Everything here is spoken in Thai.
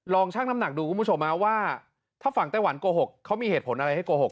ช่างน้ำหนักดูคุณผู้ชมว่าถ้าฝั่งไต้หวันโกหกเขามีเหตุผลอะไรให้โกหก